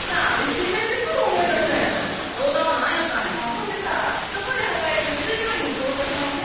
ほんでさそこで働いてる授業員の太田さんはね